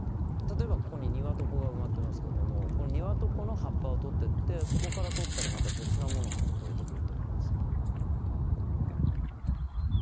例えばここにニワトコが埋まってますけどもニワトコの葉っぱをとってってそこからとったらまた別なものもとれてくると思います。